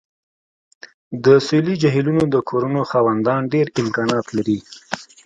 د سویلي جهیلونو د کورونو خاوندان ډیر امکانات لري